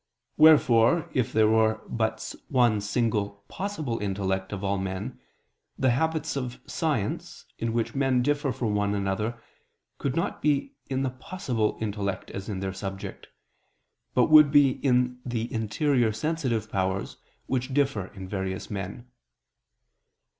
Wherefore if there were but one single "possible" intellect of all men, the habits of science, in which men differ from one another, could not be in the "possible" intellect as their subject, but would be in the interior sensitive powers, which differ in various men.